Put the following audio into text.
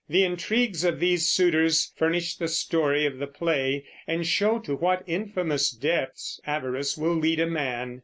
The intrigues of these suitors furnish the story of the play, and show to what infamous depths avarice will lead a man.